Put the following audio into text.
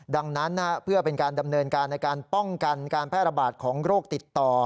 ดังนั้นเพื่อเป็นการดำเนินการในการป้องกันการแพร่ระบาดของโรคติดต่อ